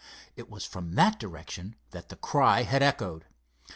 It was from that direction that the cry had echoed.